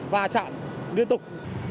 và trạm liên tục